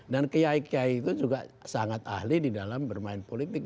dan kiai kiai itu juga sangat ahli di dalam bermain politik